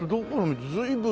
随分。